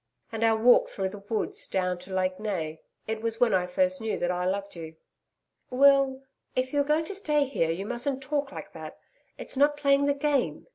And our walk through the woods down to Lake Nei? It was then I first knew that I loved you.' 'Will if you are going to stay here you mustn't talk like that. It's not playing the game.'